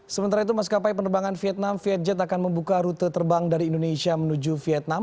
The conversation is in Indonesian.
sementara itu maskapai penerbangan vietnam vietjet akan membuka rute terbang dari indonesia menuju vietnam